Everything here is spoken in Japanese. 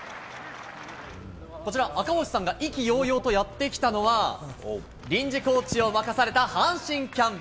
こちら、赤星さんが意気揚々とやって来たのは、臨時コーチを任された阪神キャンプ。